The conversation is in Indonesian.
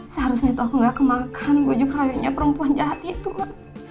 seharusnya tuh aku gak kemakan bujuk rayunya perempuan jahat itu mas